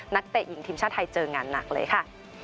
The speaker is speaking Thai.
เตะหญิงทีมชาติไทยเจองานหนักเลยค่ะ